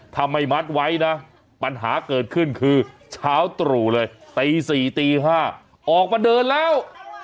ถ้าไม่มัดไว้นะปัญหาเกิดขึ้นคือเช้าตรู่เลยตี๔ตี๕ออกมาเดินแล้ว